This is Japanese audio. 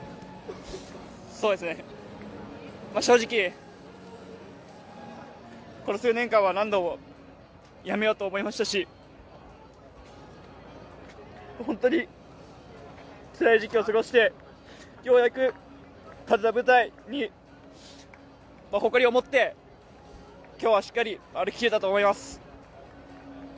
正直、この数年間は何度もやめようと思いましたし本当につらい時期を過ごしてようやく立てた舞台に誇りを持って今日はしっかり歩ききれたと思います。